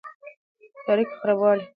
د اړیکو خرابوالی د غوسې د څپو پایله ده.